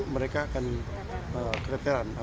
mereka akan kelekeran